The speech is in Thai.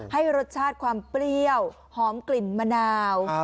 ให้รสชาติความเปรี้ยวหอมกลิ่นมะนาว